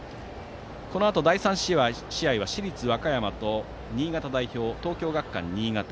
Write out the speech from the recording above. このあと、第３試合は市立和歌山と新潟代表、東京学館新潟。